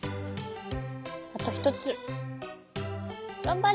あとひとつがんばれ！